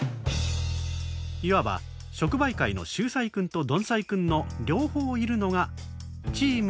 いわば触媒界の秀才くんと鈍才くんの両方いるのが「チーム貴金属」。